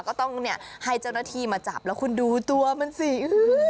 ก็ต้องเนี่ยให้เจ้าหน้าที่มาจับแล้วคุณดูตัวมันสิ